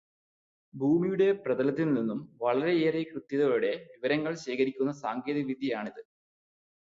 ഭൂമിയുടെ പ്രതലത്തില് നിന്നും വളരെയേറെ കൃത്യതയോടെ വിവരങ്ങള് ശേഖരിക്കുന്ന സാങ്കേതികവിദ്യയാണിത്.